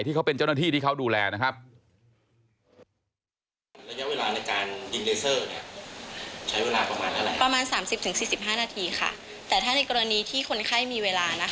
ที่เขาเป็นเจ้าหน้าที่ที่เขาดูแลนะครับ